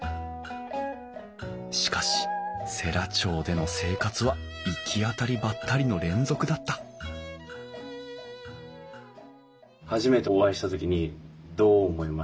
しかし世羅町での生活はいきあたりばったりの連続だった初めてお会いした時にどう思いました？